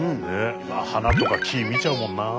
花とか木見ちゃうもんなあ。